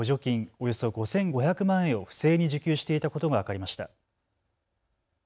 およそ５５００万円を不正に受給していたことが分かりました。